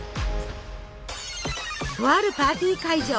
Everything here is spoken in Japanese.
とあるパーティー会場！